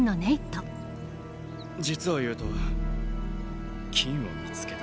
実を言うと金を見つけた。